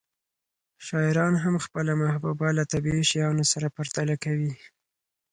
شاعران هم خپله محبوبه له طبیعي شیانو سره پرتله کوي